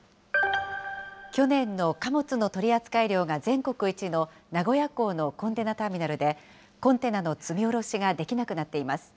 去年の貨物の取り扱い量が全国一の名古屋港のコンテナターミナルで、コンテナの積み降ろしができなくなっています。